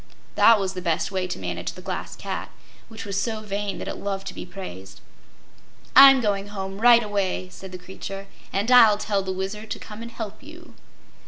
That was the best way to manage the Glass Cat, which was so vain that it loved to be praised. "I'm going home right away," said the creature, "and I'll tell the Wizard to come and help you."